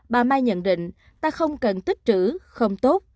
bà mai nhận định ta không cần tích trữ không tốt